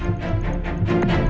aku akan bantu